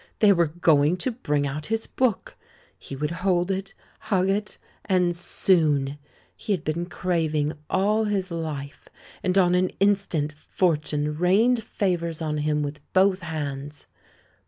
They were going to bring out his book. He would hold it — hug it — and "soon"! He had been craving all his life, and on an instant Fortune rained favours on him with both hands.